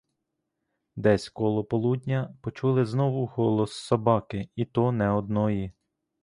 Десь коло полудня почули знову голос собаки, і то не одної.